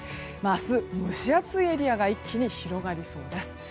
明日、蒸し暑いエリアが一気に広がりそうです。